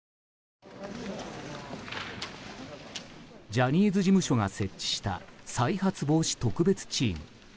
ジャニーズ事務所が設置した再発防止特別チーム。